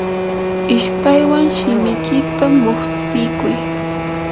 ishpaywan shimikita muqstikuy.